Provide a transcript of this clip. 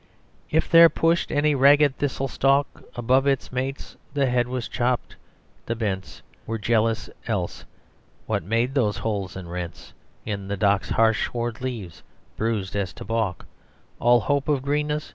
"If there pushed any ragged thistle stalk Above its mates, the head was chopped; the bents Were jealous else. What made those holes and rents In the dock's harsh swarth leaves, bruised as to baulk All hope of greenness?